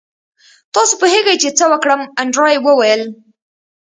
تاسو پوهیږئ چې څه وکړم انډریو وویل